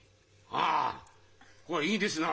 ああこりゃいいですな！